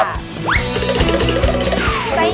ไซส์นี้ค่ะ